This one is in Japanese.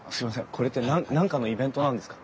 これって何かのイベントなんですか？